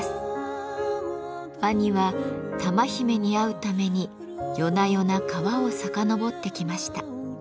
ワニは玉姫に会うために夜な夜な川をさかのぼってきました。